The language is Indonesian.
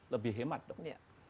lebih hemat dong